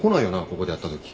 ここでやったとき。